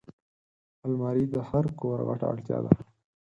الماري د هر کور غټه اړتیا ده